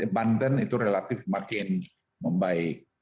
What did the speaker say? banten itu relatif makin membaik